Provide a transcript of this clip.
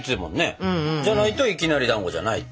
じゃないといきなりだんごじゃないって。